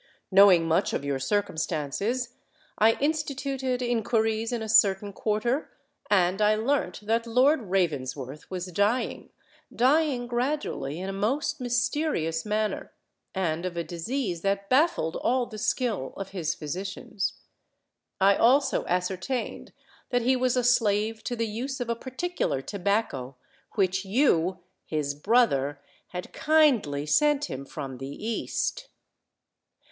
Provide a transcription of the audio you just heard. Knowing much of your circumstances, I instituted inquiries in a certain quarter; and I learnt that Lord Ravensworth was dying—dying gradually—in a most mysterious manner—and of a disease that baffled all the skill of his physicians. I also ascertained that he was a slave to the use of a particular tobacco which you—his brother—had kindly sent him from the East!"